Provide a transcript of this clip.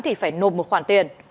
thì phải nộp một khoản tiền